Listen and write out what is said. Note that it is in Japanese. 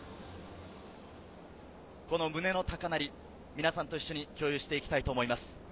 胸の高鳴り、皆さんと一緒に共有していきたいと思います。